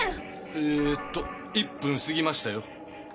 えーと１分過ぎましたよ。